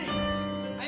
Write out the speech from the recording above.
はい。